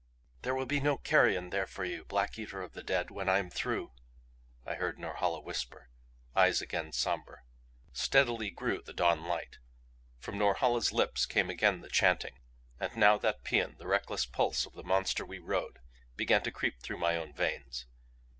"There will be no carrion there for you, black eater of the dead, when I am through," I heard Norhala whisper, eyes again somber. Steadily grew the dawn light; from Norhala's lips came again the chanting. And now that paean, the reckless pulse of the monster we rode, began to creep through my own veins.